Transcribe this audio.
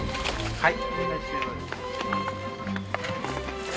はい。